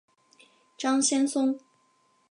张先松。